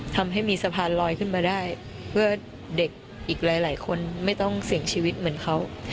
ทำให้มีสะพานลอยขึ้นมาได้เพื่อเด็กอีกหลายคนไม่ต้องเสี่ยงชีวิตเหมือนเขา